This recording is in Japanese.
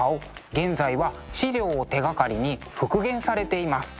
現在は資料を手がかりに復元されています。